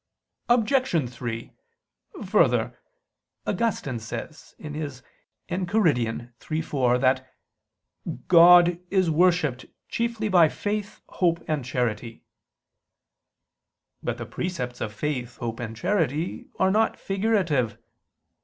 Obj. 3: Further, Augustine says (Enchiridion iii, iv) that "God is worshipped chiefly by faith, hope, and charity." But the precepts of faith, hope, and charity are not figurative.